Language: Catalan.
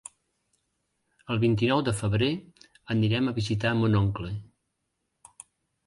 El vint-i-nou de febrer anirem a visitar mon oncle.